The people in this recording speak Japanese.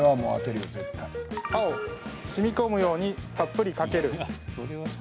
青・しみこむようにたっぷりかける。